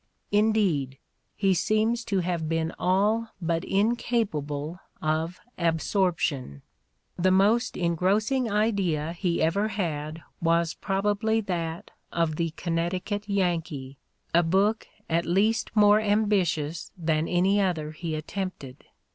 Indeed, he seems to have been all but incapable of absorption. The most engross ing idea he ever had was probably that of the "Con necticut Yankee," a book at least more ambitious than any other he attempted.